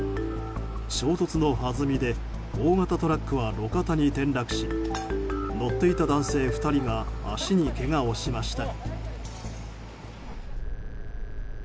衝突のはずみで大型トラックは路肩に転落し乗っていた男性２人が足にけがをしました。